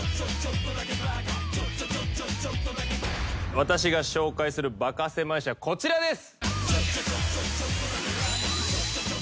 私が紹介するバカせまい史はこちらです。